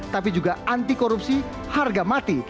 tapi juga anti korupsi harga mati